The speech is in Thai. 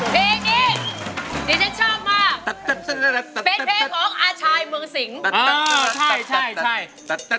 เพลงนี้ที่ฉันชอบมากเป็นเพลงของอาจารย์เมืองสิงอ๋อใช่ใช่ใช่